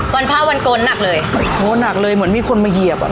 พระวันโกนหนักเลยโอ้หนักเลยเหมือนมีคนมาเหยียบอ่ะ